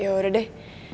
ya udah deh